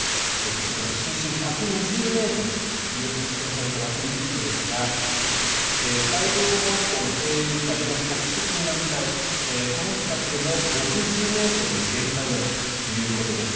そして水深１２０ｍという発見された場所についてですが海上保安庁の精鋭部隊の特殊救難隊この人たちでも６０ｍが限界だということです。